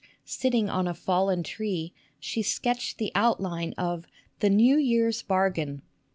sitting on a fallen tree, she sketched the out line of "The New Year's Bargain."